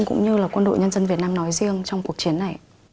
cũng như là quân đội nhân dân việt nam nói riêng trong cuộc chiến này